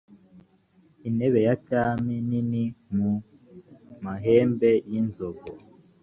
intebe ya cyami nini mu mahembe y inzovu